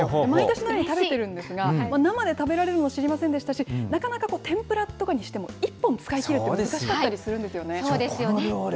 毎年のように食べてるんですが、生で食べられるの知りませんでしたし、なかなか天ぷらとかにしても、一本使い切るっていうのが難しかったりするんですよね。